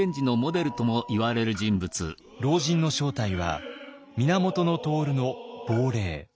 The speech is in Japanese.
老人の正体は源融の亡霊。